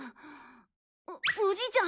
おじいちゃん。